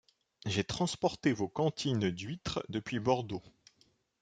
J’ai transporté vos cantines d’huîtres depuis Bordeaux.